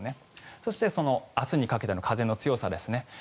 そして明日にかけての風の強さですね。